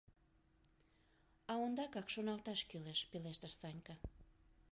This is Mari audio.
А ондакак шоналташ кӱлеш, — пелештыш Санька.